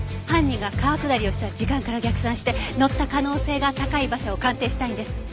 犯人が川下りをした時間から逆算して乗った可能性が高い馬車を鑑定したいんです。